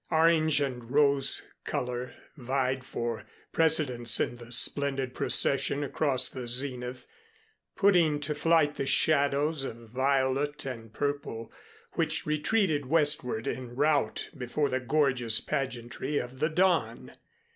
Orange and rose color vied for precedence in the splendid procession across the zenith, putting to flight the shadows of violet and purple which retreated westward in rout before the gorgeous pageantry of the dawn.